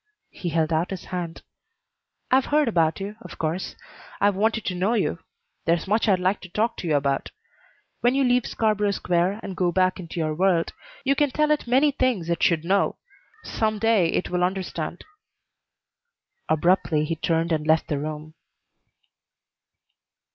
He held out his hand. "I've heard about you, of course. I've wanted to know you. There's much I'd like to talk to you about. When you leave Scarborough Square and go back into your world, you can tell it many things it should know. Some day it will understand." Abruptly he turned and left the room.